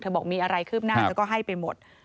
เธอบอกมีอะไรเคลื่อนคือบหน้าเธอก็ให้ไปหมด